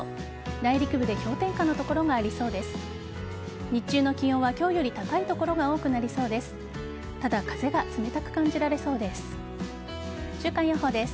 内陸部で氷点下の所がありそうです。